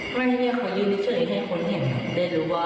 ครับ